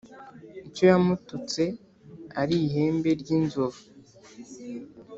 icyo yamututse ari ihembe ry' inzovu